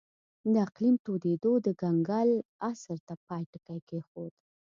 د اقلیم تودېدو د کنګل عصر ته پای ټکی کېښود.